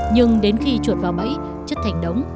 nhưng đến khi chuột vào bẫy chất thành đóng